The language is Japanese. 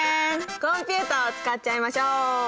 コンピューターを使っちゃいましょう！